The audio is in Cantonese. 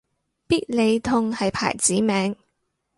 必理痛係牌子名